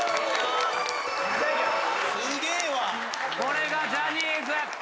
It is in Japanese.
これがジャニーズ。